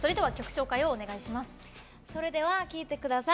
それでは聴いてください。